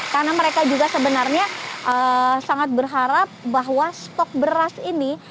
karena mereka juga sebenarnya sangat berharap bahwa stok beras ini